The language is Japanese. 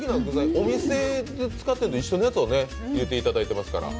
お店で使ってるのと一緒のやつを入れてくれてますから。